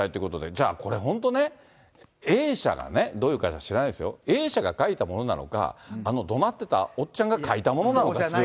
じゃあ、これ本当ね、Ａ社がね、どういう会社か知らないですよ、Ａ社が書いたものなのか、あのどなってたおっちゃんが書いたものなのかね。